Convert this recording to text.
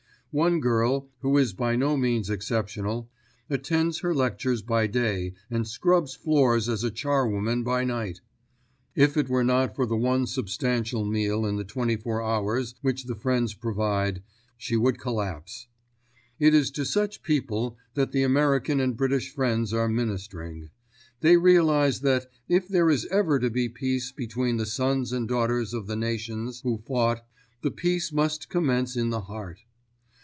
One girl, who is by no means exceptional, attends her lectures by day and scrubs floors as a charwoman by night. If it were not for the one substantial meal in the twenty four hours which the Friends provide, she would collapse. It is to such people that the American and British Friends are ministering. They realise that, if there is ever to be peace between the sons and daughters of the nations who fought, the peace must commence in the heart.